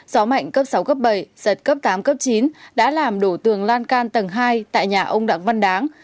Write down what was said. gió mạnh cấp sáu cấp bảy giật cấp tám cấp chín đã làm đổ tường lan can tầng hai tại nhà ông đặng văn đáng